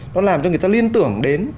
nó làm cho người ta liên tưởng đến